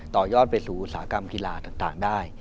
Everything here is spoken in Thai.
ต่อยอดไปสู่อุตสาหกรรมกีฬาต่างได้